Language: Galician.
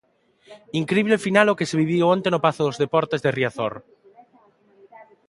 Incrible final o que se viviu onte no Pazo dos Deportes de Riazor.